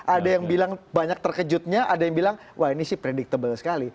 ada yang bilang banyak terkejutnya ada yang bilang wah ini sih predictable sekali